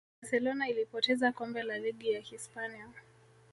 barcelona ilipoteza kombe la ligi ya hispania